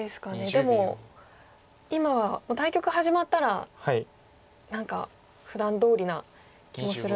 でも今は対局始まったら何かふだんどおりな気もするんですが。